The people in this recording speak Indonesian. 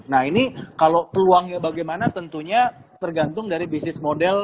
nah ini kalau peluangnya bagaimana tentunya tergantung dari bisnis model